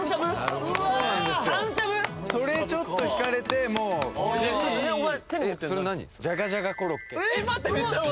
それちょっとひかれてもうじゃがじゃがころ